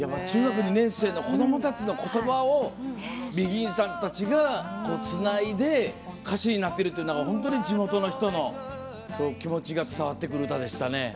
中学２年生の子どもたちのことばをＢＥＧＩＮさんたちがつないで歌詞になっているというのが本当に地元の人の気持ちが伝わってくる歌でしたね。